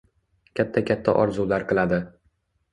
katta-katta orzular qiladi.